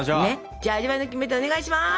じゃあ味わいのキメテをお願いします。